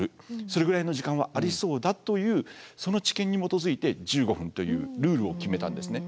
それぐらいの時間はありそうだというその知見に基づいて１５分というルールを決めたんですね。